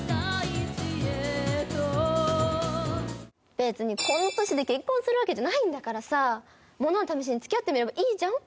別にこの年で結婚するわけじゃないんだからさものは試しにつきあってみればいいじゃん。